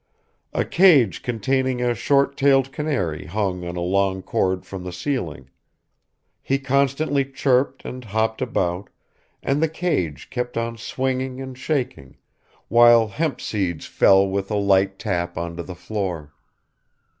A cage containing a short tailed canary hung on a long cord from the ceiling; he constantly chirped and hopped about, and the cage kept on swinging and shaking, while hemp seeds fell with a light tap onto the floor.